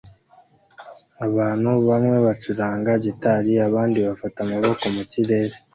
Abantu bamwe bacuranga gitari abandi bafata amaboko mukirere